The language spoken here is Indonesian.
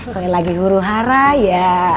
kalau lagi huru hara ya